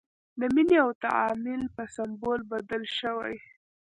د مینې او تعامل په سمبول بدل شوی.